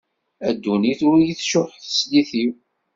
A ddunit ur yi-tcuḥ teslit-iw.